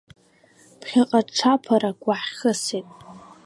Ԥхьаҟа ҽаԥарак уаҳхьысит.